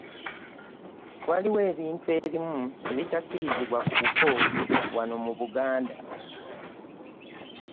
Waliwo ebintu ebimu ebitakkirizibwa ku buko wano mu Buganda.